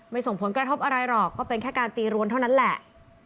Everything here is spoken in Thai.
ส่งผลกระทบอะไรหรอกก็เป็นแค่การตีรวนเท่านั้นแหละ